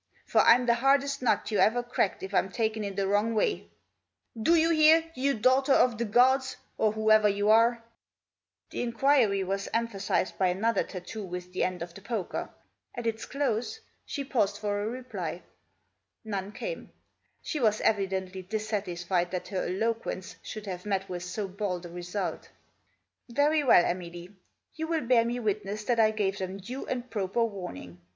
For Ytfit the hardest nut you ever cracked if I'm taken ift the Wroftg Way. Do you hear, you daughter of the gods, or whoever you are > n The inauiry was emphasised by another tattoo with reply. None came. She was evidently dissatisfied that her eloquence should have met with so bald a result. " Very well, Emily, you will bear me witftesS that I gave them due and proper warning.